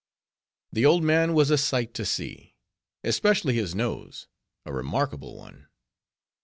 The old man was a sight to see; especially his nose; a remarkable one.